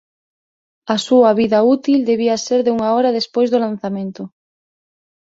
A súa vida útil debía ser de unha hora despois do lanzamento.